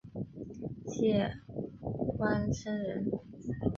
谢冠生人。